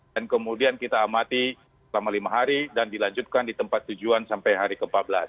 dan kemudian kita amati selama lima hari dan dilanjutkan di tempat tujuan sampai hari ke empat belas